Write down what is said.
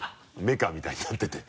メカみたいになってて。